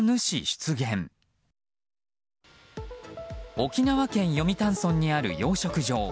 沖縄県読谷村にある養殖場。